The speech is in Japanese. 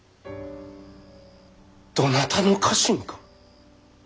どなたの家臣か。